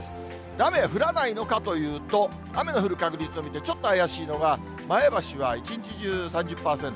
雨降らないのかというと、雨の降る確率を見てちょっと怪しいのが、前橋は一日中３０％。